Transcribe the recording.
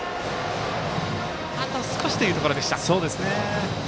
あと少しというところでした。